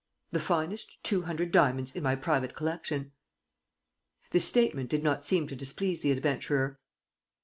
"The finest two hundred diamonds in my private collection." This statement did not seem to displease the adventurer.